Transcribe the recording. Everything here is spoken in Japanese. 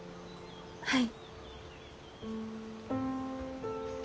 はい。